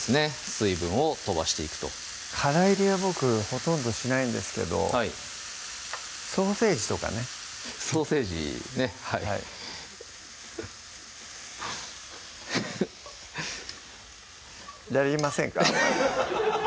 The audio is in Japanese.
水分を飛ばしていくとからいりは僕ほとんどしないんですけどソーセージとかねソーセージねはいやりませんか？